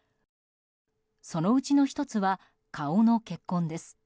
そのうちの１つは顔の血痕です。